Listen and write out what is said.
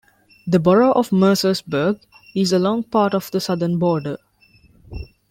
The borough of Mercersburg is along part of the southern border.